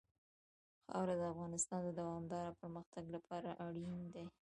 خاوره د افغانستان د دوامداره پرمختګ لپاره اړین دي.